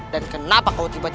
dan kenapa kau tiba tiba berhenti